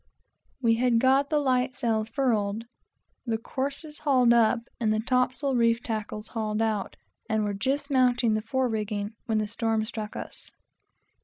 We had got the light sails furled, the courses hauled up, and the topsail reef tackles hauled out, and were just mounting the fore rigging, when the storm struck us.